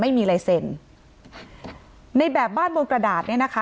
ไม่มีลายเซ็นในแบบบ้านบนกระดาษเนี่ยนะคะ